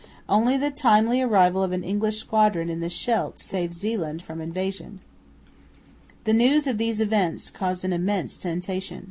Only the timely arrival of an English squadron in the Scheldt saved Zeeland from invasion. The news of these events caused an immense sensation.